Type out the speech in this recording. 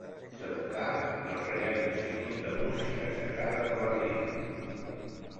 S'educà en el reial Institut de Música sagrada de Berlín.